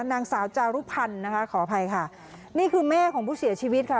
นางสาวจารุพันธ์นะคะขออภัยค่ะนี่คือแม่ของผู้เสียชีวิตค่ะ